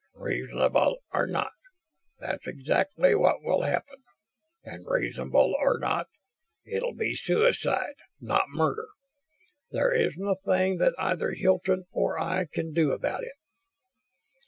"Reasonable, or not, that's exactly what will happen. And, reasonable or not, it'll be suicide, not murder. There isn't a thing that either Hilton or I can do about it."